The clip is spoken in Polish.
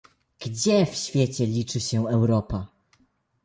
Gdzie w świecie liczy się Europa?